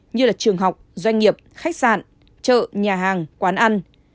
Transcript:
như là trường học doanh nghiệp khách sạn chợ nhà hàng quán ăn